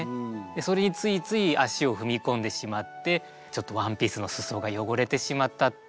それについつい足を踏み込んでしまってちょっとワンピースの裾が汚れてしまったっていう。